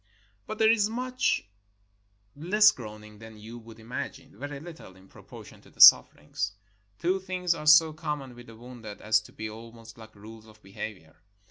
But there is much less groaning than you would imagine — very little in proportion to the sufferings. Two things are so common with the wounded as to be almost like rules of behavior.